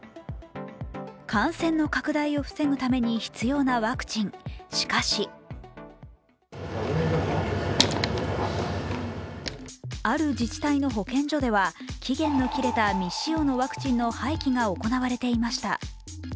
感染の拡大を防ぐために必要なワクチン、しかしある自治体の保健所では期限の切れた未使用のワクチンの廃棄が行われていました。